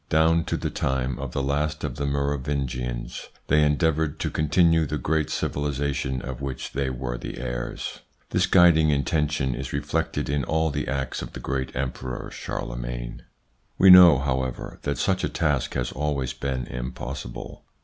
Down to the time of the last of the Merovingians, they endeavoured to continue the great civilisation of which they were the heirs. This guiding intention is reflected in all the acts of the great Emperor Charlemagne. We know, however, that such a task has always been impossible.